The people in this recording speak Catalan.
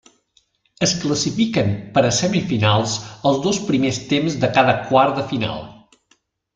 Es classifiquen per a semifinals els dos primers temps de cada quart de final.